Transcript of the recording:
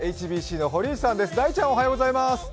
ＨＢＣの堀内さんです。